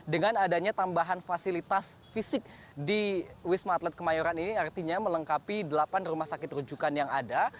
dengan adanya tambahan fasilitas fisik di wisma atlet kemayoran ini artinya melengkapi delapan rumah sakit rujukan yang ada